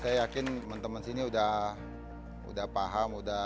saya yakin temen temen sini udah paham